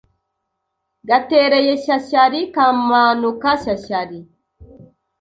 Gatereye Shyashyari kamanuka Shyashyari